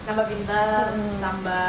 nambah pintar nambah